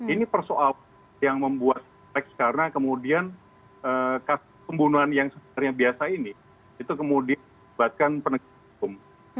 ini persoalan yang membuat teks karena kemudian kasus pembunuhan yang sebenarnya biasa ini itu kemudian menyebabkan penegak hukum